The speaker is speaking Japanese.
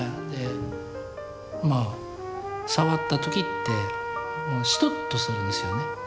でまあ触った時ってシトッとするんですよね